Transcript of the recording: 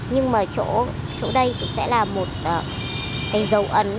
nhưng mà chỗ chỗ đây cũng sẽ là một cái dấu ấn